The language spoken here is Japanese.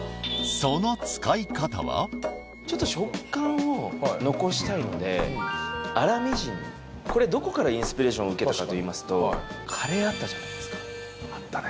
はいちょっと食感を残したいので粗みじんにこれどこからインスピレーションを受けたかといいますとカレーあったじゃないですかあったね